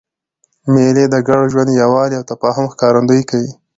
مېلې د ګډ ژوند، یووالي او تفاهم ښکارندویي کوي.